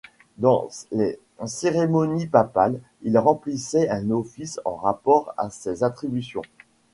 Dans les cérémonies papales, il remplissait un office en rapport à ses attributions.